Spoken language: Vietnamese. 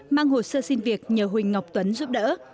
mang hồ sơ xin việc nhờ huỳnh ngọc tuấn giúp đỡ